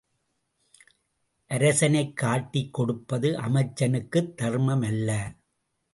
அரசனைக் காட்டிக் கொடுப்பது அமைச்சனுக்குத் தர்மம் அல்ல.